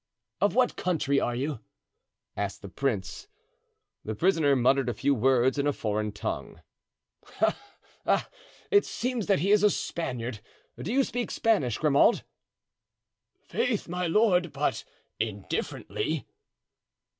"Of what country are you?" asked the prince. The prisoner muttered a few words in a foreign tongue. "Ah! ah! it seems that he is a Spaniard. Do you speak Spanish, Grammont?" "Faith, my lord, but indifferently."